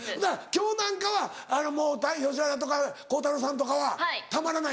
今日なんかはあのもう吉原さんとか鋼太郎さんとかはたまらないんだ。